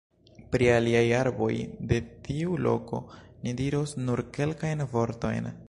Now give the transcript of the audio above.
Pri aliaj arboj de tiu loko ni diros nur kelkajn vortojn.